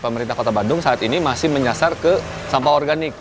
pemerintah kota bandung saat ini masih menyasar ke sampah organik